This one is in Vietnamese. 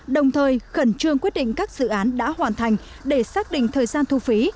đồng thời khẩn trương quyết định các dự án đã hoàn thành để xác định thời gian thu phí